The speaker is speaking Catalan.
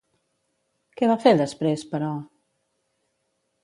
Què va fer després, però?